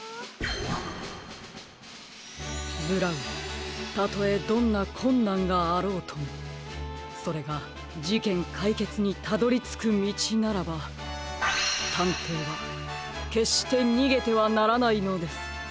ブラウンたとえどんなこんなんがあろうともそれがじけんかいけつにたどりつくみちならばたんていはけっしてにげてはならないのです。